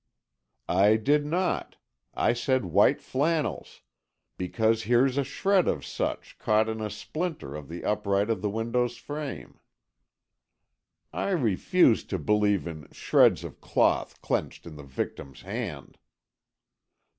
"I did not. I said white flannels, because here's a shred of such caught in a splinter of the upright of the window frame." "I refuse to believe in 'shreds of cloth clenched in the victim's hand.